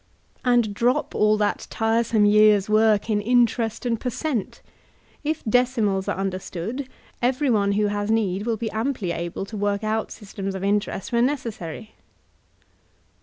And drop all that tiresome years' work in interest and per cent; if decimals are understood, every one who has need will be amply able to work out systems of in* terest when necessary.